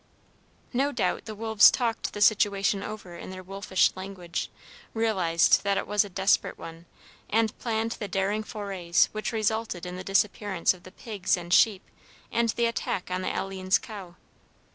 No doubt the wolves talked the situation over in their wolfish language, realized that it was a desperate one, and planned the daring forays which resulted in the disappearance of the pigs and sheep and the attack on the Alleene's cow.